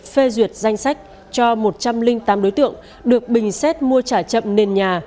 phê duyệt danh sách cho một trăm linh tám đối tượng được bình xét mua trả chậm nền nhà